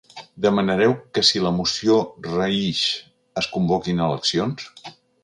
Demanareu que si la moció reïx es convoquin eleccions?